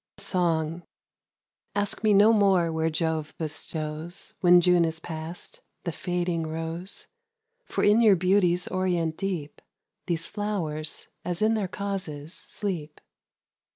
Song ASK me no more where Jove bestows, When June is past, the fading rose; For in your beauty's orient deep These flowers, as in their causes, sleep.